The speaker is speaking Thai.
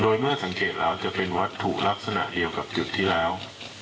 โดยเมื่อสังเกตแล้วจะเป็นวัตถุลักษณะเดียวกับจุดที่แล้ว